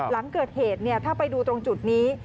หลังเกิดเหตุถ้าไปดูตรงจุดนี้